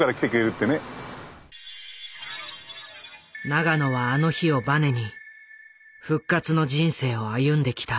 永野はあの日をバネに復活の人生を歩んできた。